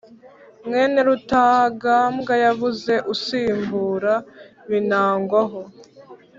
Mwene Rutagambwa yabuze usimbura Binangwaho.